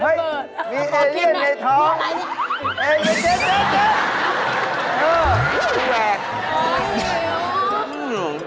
เฮ่ยมีตัวอัศวินในท้อง